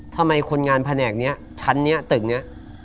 ทำไมคนงานแผนกนี้ชั้นนี้ตึกนี้